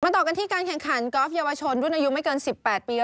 ต่อกันที่การแข่งขันกอล์ฟเยาวชนรุ่นอายุไม่เกิน๑๘ปี